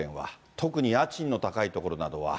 特に家賃の高い所などは。